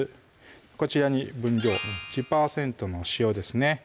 こちらに分量１％の塩ですね